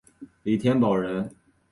李添保人。